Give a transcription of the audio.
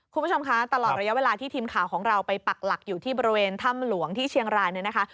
คุณผู้ชมคะตลอดระยะเวลาที่ทีมข่าวของเราไปปักหลักอยู่ที่บริเวณถ้ำหลวงที่เชียงรายเนี่ยนะคะ